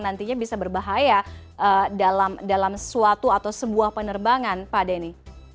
nantinya bisa berbahaya dalam suatu atau sebuah penerbangan pak denny